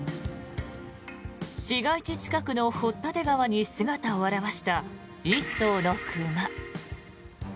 市街地近くの堀立川に姿を現した１頭の熊。